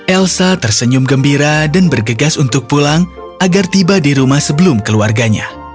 elsa tersenyum gembira dan bergegas untuk pulang agar tiba di rumah sebelum keluarganya